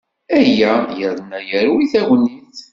Aya yerna yerwi tagnit.